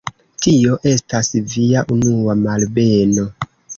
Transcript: Tio estas Via unua malbeno.